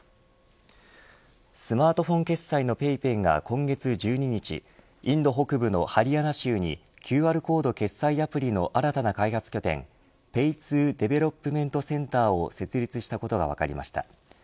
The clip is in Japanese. スマートフォン決済のＰａｙＰａｙが今月１２日インド北部のハリヤナ州にＱＲコード決済アプリの新たな開発拠点Ｐａｙ２ＤｅｖｅｌｏｐｍｅｎｔＣｅｎｔｅｒを設立したことが分かりました。